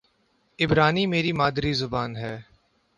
عبرانی میری مادری زبان ہے